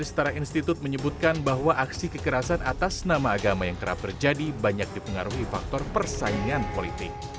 setara institut menyebutkan bahwa aksi kekerasan atas nama agama yang kerap terjadi banyak dipengaruhi faktor persaingan politik